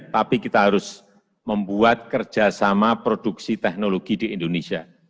tapi kita harus membuat kerjasama produksi teknologi di indonesia